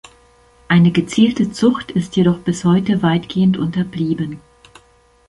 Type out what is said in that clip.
Eine gezielte Zucht ist jedoch bis heute weitgehend unterblieben.